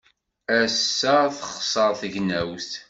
Ass-a, texṣer tegnewt.